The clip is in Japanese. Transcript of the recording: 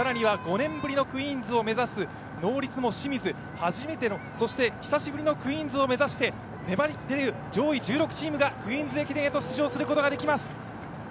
更には５年ぶりのクイーンズを目指すノーリツは清水、初めての、そして久しぶりのクイーンズを目指して上位１６チームがクイーンズ駅伝へと出場することができます。